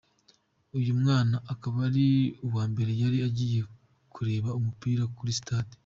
Uyu mwana akaba ari ubwa mbere yari agiye kureba umupira ku stade.